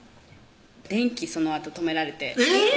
電気そのあと止められてえっ？